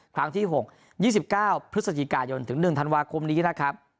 ครั้งที่หกยี่สิบเก้าพฤษฐีกายนถึงหนึ่งธันจาคมนี้นะครับ